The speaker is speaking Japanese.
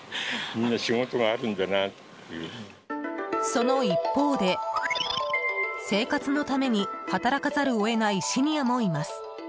その一方で生活のために働かざるを得ないシニアもいます。